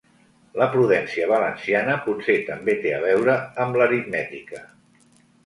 La prudència valenciana potser també té a veure amb l’aritmètica.